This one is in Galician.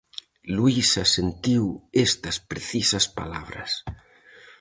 Luísa sentiu estas precisas palabras: